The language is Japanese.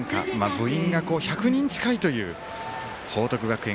部員が１００人近いという報徳学園。